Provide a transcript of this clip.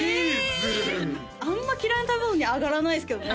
あんま嫌いな食べ物に挙がらないですけどね